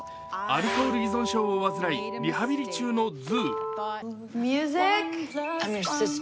アルコール依存症を患いリハビリ中のズー。